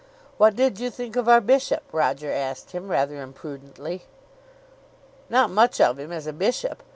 "What did you think of our bishop?" Roger asked him, rather imprudently. "Not much of him as a bishop.